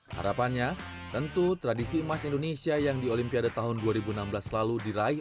harapannya tentu tradisi emas indonesia yang di olimpiade tahun dua ribu enam belas lalu diraih